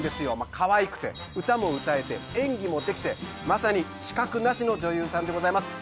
かわいくて歌も歌えて演技もできてまさに死角なしの女優さんでございます。